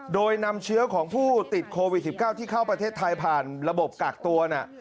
โดยนำเชื้อของผู้ติดโควิด๑๙ที่เข้าประเทศไทยผ่านระบบกักตัวเนี่ย